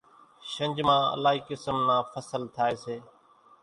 شنجھ مان الائِي قِسم نان ڦصل ٿائيَ سي۔